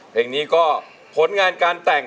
เพลงนี้ก็ผลงานการแต่ง